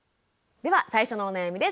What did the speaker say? では最初のお悩みです。